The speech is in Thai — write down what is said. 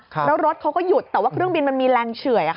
แล้วรถเขาก็หยุดแต่ว่าเครื่องบินมันมีแรงเฉื่อย